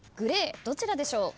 どちらでしょう？